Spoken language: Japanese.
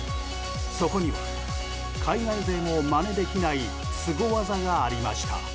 そこには海外勢もまねできないスゴ技がありました。